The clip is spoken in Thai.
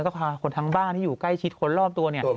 ก็พาคนทั้งบ้านที่อยู่ใกล้ชิดคนรอบตัวเนี่ย